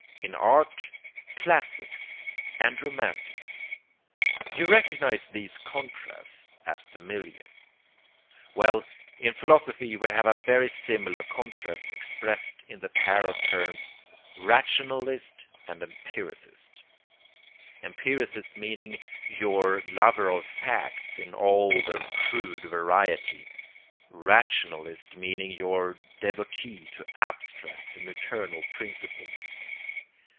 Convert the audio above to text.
In art, classics and romantics. You recognize these contrasts as familiar; well, in philosophy we have a very similar contrast expressed in the pair of terms 'rationalist' and 'empiricist,' 'empiricist' meaning your lover of facts in all their crude variety, 'rationalist' meaning your devotee to abstract and eternal principles.